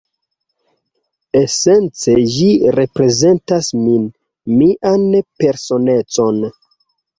Esence, ĝi reprezentas min, mian personecon